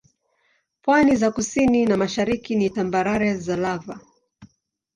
Pwani za kusini na mashariki ni tambarare za lava.